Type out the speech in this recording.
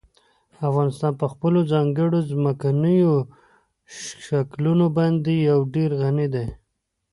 افغانستان په خپلو ځانګړو ځمکنیو شکلونو باندې یو ډېر غني دی.